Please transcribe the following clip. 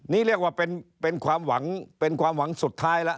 นี่เรียกว่าเป็นความหวังเป็นความหวังสุดท้ายแล้ว